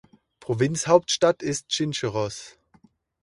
Provinzhauptstadt ist Chincheros.